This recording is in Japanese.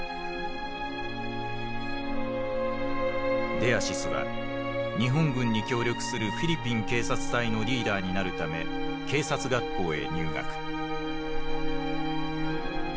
デアシスは日本軍に協力するフィリピン警察隊のリーダーになるため警察学校へ入学。